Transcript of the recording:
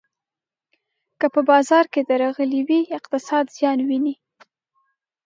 که په بازار کې درغلي وي، اقتصاد زیان ویني.